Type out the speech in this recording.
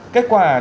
kết quả định